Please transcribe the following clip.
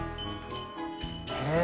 へえ。